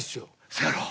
せやろ？